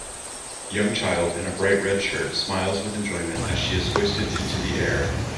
Young child in a bright red shirt smiles with enjoyment as she is hoisted into the air.